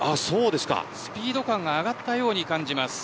スピード感が上がったように感じます。